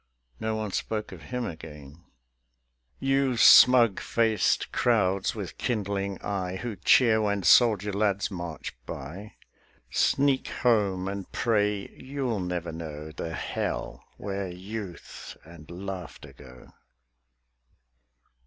No one spoke of him again. You smug faced crowds with kindling eye Who cheer when soldier lads march by, Sneak home and pray you'll never know The hell where youth and laughter go.